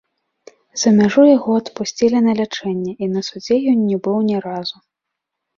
За мяжу яго адпусцілі на лячэнне, і на судзе ён не быў ні разу.